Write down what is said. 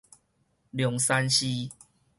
龍山寺